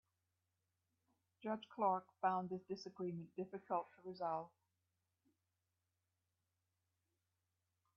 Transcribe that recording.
Judge Clark found this disagreement difficult to resolve.